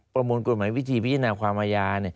ประมวลกฎหมายวิธีพิจารณาความอาญา